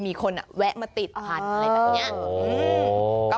มีคนแวะมาติดพันธุ์อะไรแบบนี้